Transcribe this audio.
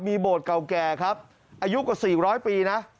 มีโบสถเก่าแก่ครับอายุกว่าสี่ร้อยปีนะ